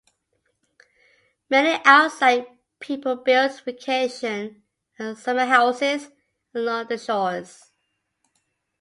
Many "outside" people built vacation and summer houses along the shores.